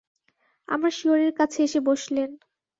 আমার শিয়রের কাছে এসে বসলেন।